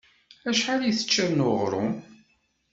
Acḥal i teččiḍ n uɣrum?